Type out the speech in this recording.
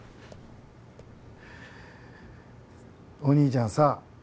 おにいちゃんさ。